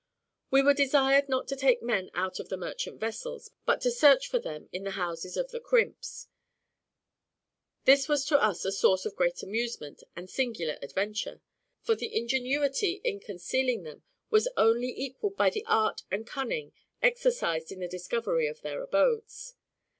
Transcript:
We were desired not to take men out of the merchant vessels, but to search for them in the houses of the crimps. This was to us a source of great amusement and singular adventure; for the ingenuity in concealing them was only equalled by the art and cunning exercised in the discovery of their abodes.